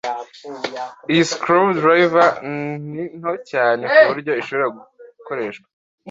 Iyi screwdriver ni nto cyane kuburyo ishobora gukoreshwa.